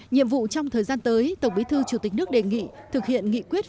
nhiệm vụ trong thời gian tới tổng bí thư chủ tịch nước đề nghị thực hiện nghị quyết